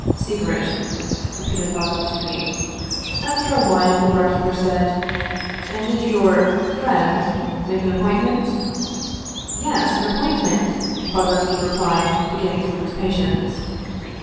"' Secret/ " repeated Bodlevski. After a while the barkeeper said, " And did your friend make an appointment ?"" Yes, an appointment !" Bodlevski replied, beginning to lose patience.